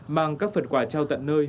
mang các phần quà trao tận nơi